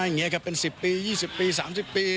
อย่างนี้ครับเป็น๑๐ปี๒๐ปี๓๐ปี